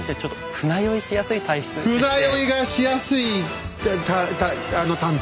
船酔いがしやすい探偵。